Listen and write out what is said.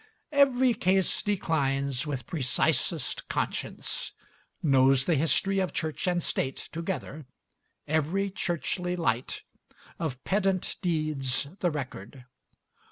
Every case declines with precisest conscience; Knows the history of Church and State, together Every Churchly light, of pedant deeds the record.